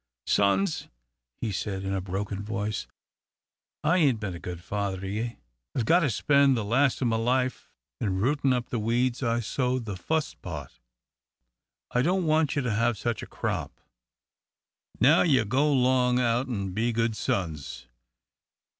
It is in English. "Sons," he said, in a broken voice, "I ain't been a good father to ye. I've got to spend the last o' my life in rootin' up the weeds I sowed the fust part. I don't want you to have such a crop. Now you go 'long out an' be good sons.